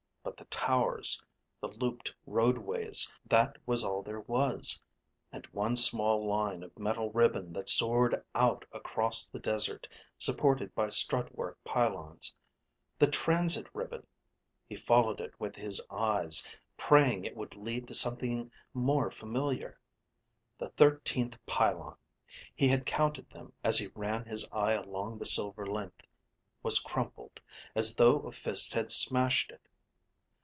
But the towers, the looped roadways, that was all there was and one small line of metal ribbon that soared out across the desert, supported by strut work pylons. The transit ribbon! He followed it with his eyes, praying it would lead to something more familiar. The thirteenth pylon he had counted them as he ran his eye along the silver length was crumpled, as though a fist had smashed it.